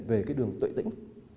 về cái đường tệ tĩnh